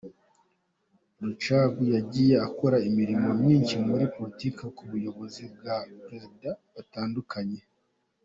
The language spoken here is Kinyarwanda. Rucagu yagiye akora imirimo myinshi muri Politiki ku buyobozi bw’aba Perezida batandukanye.